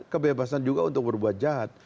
kebebasan juga untuk berbuat jahat